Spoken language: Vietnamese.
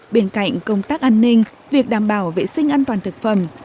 bên cạnh công tác an ninh việc đảm bảo vệ sinh an toàn thực phẩm